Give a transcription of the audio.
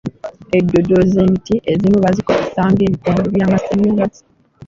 Endoddo z'emiti ezimu bazikozesa ng'ebikondo by'amasannyalaze.